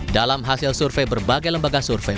dalam hasil survei berbagai lembaga survei